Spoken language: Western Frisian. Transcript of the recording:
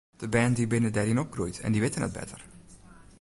De bern binne dêryn opgroeid en dy witte net better.